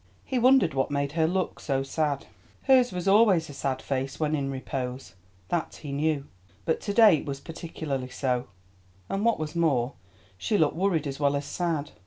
He wondered what made her look so sad. Hers was always a sad face when in repose, that he knew, but to day it was particularly so, and what was more, she looked worried as well as sad.